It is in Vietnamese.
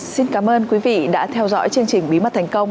xin cảm ơn quý vị đã theo dõi chương trình bí mật thành công